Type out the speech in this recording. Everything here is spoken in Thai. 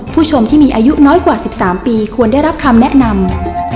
ผู้ชมที่มีอายุน้อยกว่า๑๓ปีควรได้รับคำแนะนำ